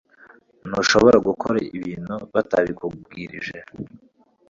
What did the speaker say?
Ntushobora gukora ibintu batabikubwirije